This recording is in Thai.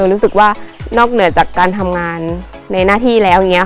รู้สึกว่านอกเหนือจากการทำงานในหน้าที่แล้ว